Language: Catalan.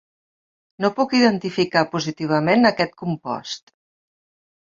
No puc identificar positivament aquest compost.